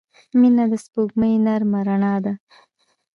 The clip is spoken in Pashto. • مینه د سپوږمۍ نرمه رڼا ده.